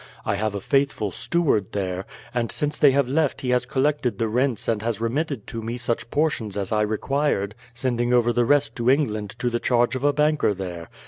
I have a faithful steward there, and since they have left he has collected the rents and has remitted to me such portions as I required, sending over the rest to England to the charge of a banker there.